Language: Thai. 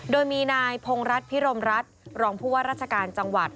โดยมีนายพงฤษภิรมรัฐรองภัวราชการจังหวัด